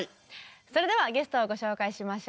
それではゲストをご紹介しましょう。